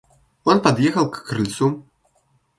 Он подъехал к крыльцу.